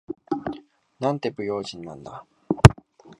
なんて不用心なんだ。